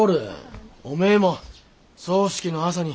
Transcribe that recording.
おめえも葬式の朝に。